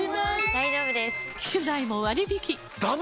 大丈夫です！